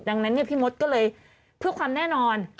ดังนั้นพี่มดก็เลยเพื่อความแน่นอน